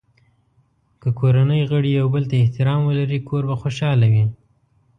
که کورنۍ غړي یو بل ته احترام ولري، کور به خوشحال وي.